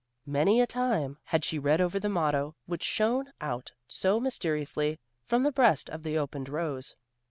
Many a time had she read over the motto which shone out so mysteriously from the breast of the opened rose.